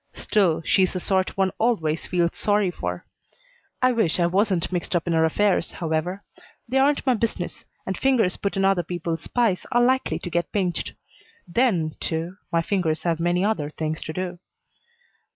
Still, she is the sort one always feels sorry for. I wish I wasn't mixed up in her affairs, however. They aren't my business and fingers put in other people's pies are likely to get pinched. Then, too, my fingers have many other things to do.